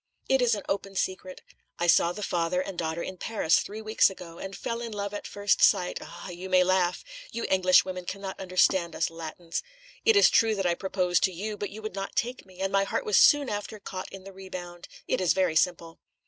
"It is an open secret. I saw the father and daughter in Paris three weeks ago, and fell in love at first sight ah! you may laugh. You Englishwomen cannot understand us Latins. It is true that I proposed to you, but you would not take me, and my heart was soon after caught in the rebound. It is very simple."